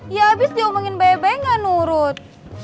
ya abis diomongin baik baik gak nurut